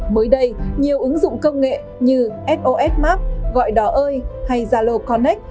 mới đây nhiều ứng dụng công nghệ như sos map gọi đó ơi hay zalo connect